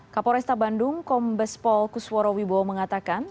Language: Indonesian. kapolresta bandung kombespol kusworo wibowo mengatakan